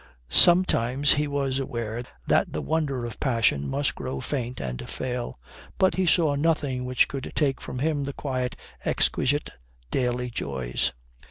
Sometimes he was aware that the wonder of passion must grow faint and fail, but he saw nothing which could take from him the quiet, exquisite, daily joys.